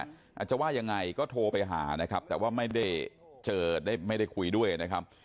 อาจจะว่ายังไงก็โทรไปหานะครับแต่ว่าไม่ได้เจอได้ไม่ได้คุยด้วยนะครับ